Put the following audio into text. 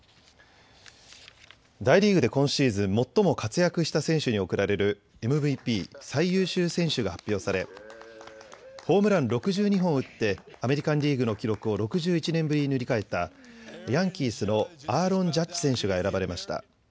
大リーグで今シーズン最も活躍した選手に贈られるＭＶＰ・最優秀選手が発表されホームラン６２本を打ってアメリカンリーグの記録を６１年ぶりに塗り替えたヤンキースのアーロン・ジャッジ選手が選ばれました。